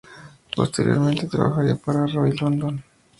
Posteriormente trabajaría para Roy London.